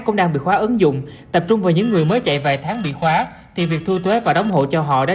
cũng đang bị khóa ứng dụng tập trung vào những người